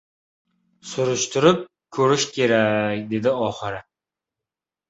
— Surishtirib ko‘rish kerak, — dedi oxiri.